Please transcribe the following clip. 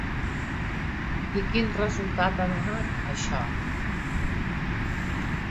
I quin resultat ha donat, això?